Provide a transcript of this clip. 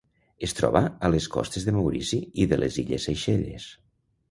Es troba a les costes de Maurici i de les Illes Seychelles.